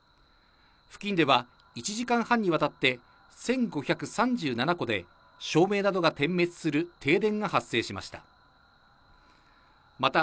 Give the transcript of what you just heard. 付近では１時間半にわたって１５３７戸で照明などが点滅する停電が発生しました。